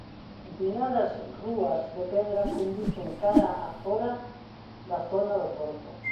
Empinadas rúas de pedra conducen cara a fóra da zona do porto.